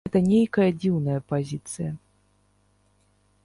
Гэта нейкая дзіўная пазіцыя.